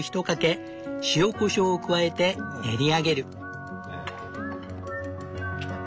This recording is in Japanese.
１かけ塩・こしょうを加えて練り上げる。